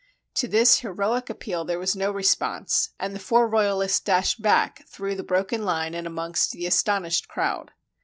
To this heroic appeal there was no response, and the four royalists dashed back through the broken line and amongst the astonished crowd.